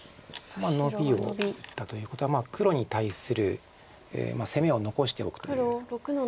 ノビを打ったということは黒に対する攻めを残しておくという。